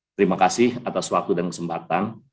terima kasih atas waktu dan kesempatan